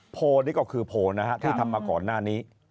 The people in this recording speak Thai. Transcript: โพลนี่ก็คือโพลนะฮะที่ทำมาก่อนหน้านี้